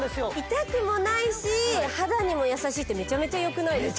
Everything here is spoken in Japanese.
痛くもないし肌にも優しいってめちゃめちゃよくないですか？